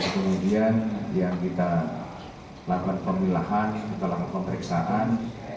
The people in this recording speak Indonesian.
kemudian yang kita lakukan pemilahan kita lakukan pemeriksaan